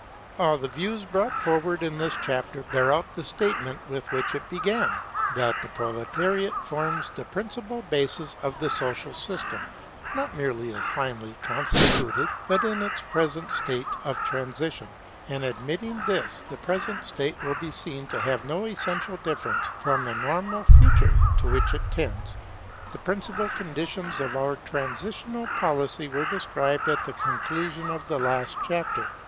All the views brought forward in this chapter bear out the statement with which it began, that the Proletariate forms the principal basis of the social system, not merely as finally constituted, but in its present state of transition; and admitting this, the present state will be seen to have no essential difference from the normal future to which it tends. The principal conditions of our transitional policy were described at the conclusion of the last chapter.